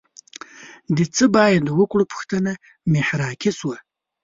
د څه باید وکړو پوښتنه محراقي شوه